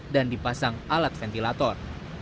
dan dipasang alat ventilator